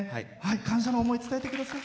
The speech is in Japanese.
感謝の思い伝えてください。